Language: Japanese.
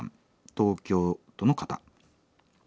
東京都の方。